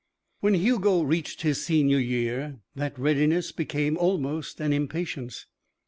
When Hugo reached his senior year, that readiness became almost an impatience.